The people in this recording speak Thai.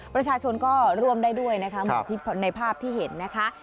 ประชาชนก็รวมได้ด้วยในภาพที่เห็นนะคะ